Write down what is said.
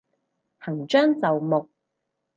行將就木